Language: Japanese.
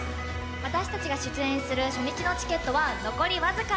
私たちが出演する初日のチケットは残り僅か。